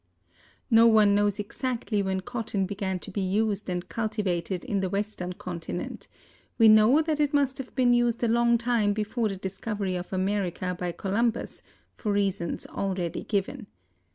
No one knows exactly when cotton began to be used and cultivated in the western continent; we know that it must have been used a long time before the discovery of America by Columbus, for reasons already given.